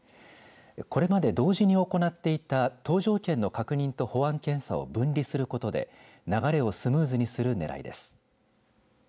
これまで同時に行っていた搭乗券の確認と保安検査を分離することで流れをスムーズにするねらいです。